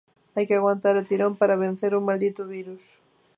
Hai que aguantar o tirón para vencer o maldito virus.